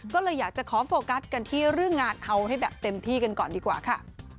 ก็เลยอยากจะขอโฟกัสกันที่เรื่องงานเอาให้แบบเต็มที่กันก่อนดีกว่าค่ะ